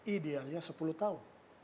idealnya sepuluh tahun